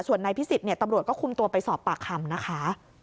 ส่วนนายพิสิทธิ์เนี่ยตำรวจก็คุมตัวไปสอบปากคำนะคะ